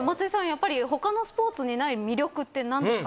やっぱり他のスポーツにない魅力って何ですか？